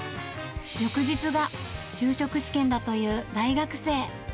翌日が就職試験だという大学生。